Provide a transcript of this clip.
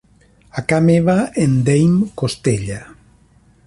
A ca meva en deim costella.